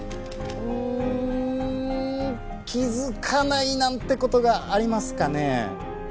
うーん気づかないなんて事がありますかね？